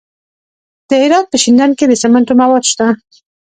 د هرات په شینډنډ کې د سمنټو مواد شته.